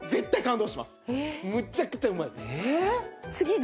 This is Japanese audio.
むちゃくちゃうまいです。